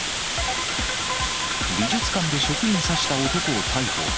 美術館で職員刺した男を逮捕。